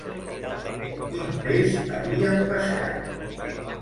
Quin peix havien pescat?